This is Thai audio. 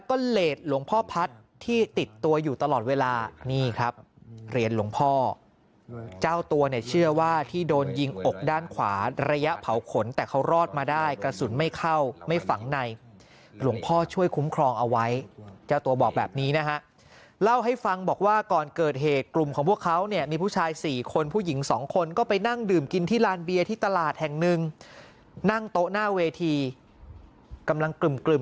เจ้าตัวเนี่ยเชื่อว่าที่โดนยิงอกด้านขวาระยะเผาขนแต่เขารอดมาได้กระสุนไม่เข้าไม่ฝังในหลวงพ่อช่วยคุ้มครองเอาไว้เจ้าตัวบอกแบบนี้นะฮะเล่าให้ฟังบอกว่าก่อนเกิดเหตุกลุ่มของพวกเขาเนี่ยมีผู้ชายสี่คนผู้หญิงสองคนก็ไปนั่งดื่มกินที่ร้านเบียที่ตลาดแห่งหนึ่งนั่งโต๊ะหน้าเวทีกำลังกลึ่